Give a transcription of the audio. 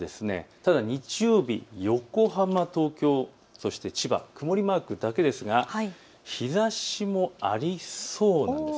ただ日曜日、横浜、東京、そして千葉、曇りマークだけですが日ざしもありそうなんです。